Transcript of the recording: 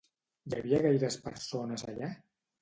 Hi havia gaires persones allà?